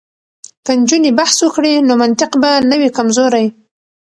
که نجونې بحث وکړي نو منطق به نه وي کمزوری.